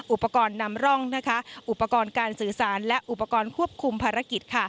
อุปกรณ์นำร่องอุปกรณ์การสื่อสารและอุปกรณ์ควบคุมภารกิจ